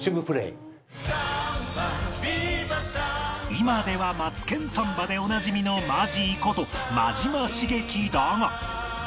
今では『マツケンサンバ』でおなじみのマジーこと真島茂樹だが